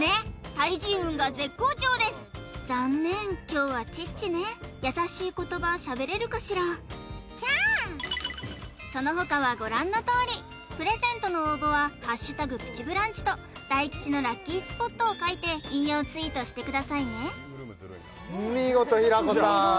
対人運が絶好調です残念凶はチッチね優しい言葉しゃべれるかしらその他はご覧のとおりプレゼントの応募は「＃プチブランチ」と大吉のラッキースポットを書いて引用ツイートしてくださいね見事平子さん